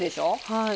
はい。